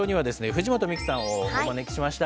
藤本美貴さんをお招きしました。